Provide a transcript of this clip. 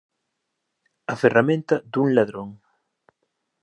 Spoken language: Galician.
A ferramenta dun ladrón.